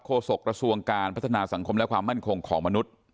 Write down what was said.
โศกระทรวงการพัฒนาสังคมและความมั่นคงของมนุษย์